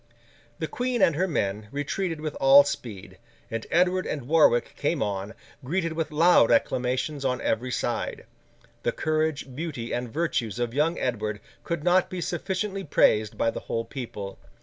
The Queen and her men retreated with all speed, and Edward and Warwick came on, greeted with loud acclamations on every side. The courage, beauty, and virtues of young Edward could not be sufficiently praised by the whole people.